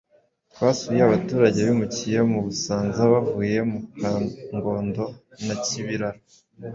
Twasuye abaturage bimukiye mu Busanza bavuye Kangondo na Kibiraro